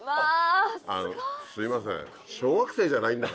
あのすいません。